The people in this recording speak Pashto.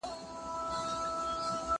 زه به پوښتنه کړې وي.